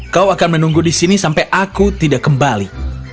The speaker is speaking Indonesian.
kau akan menunggu disini sampai aku tidak kembali